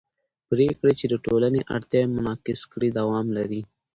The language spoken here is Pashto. پرېکړې چې د ټولنې اړتیاوې منعکس کړي دوام لري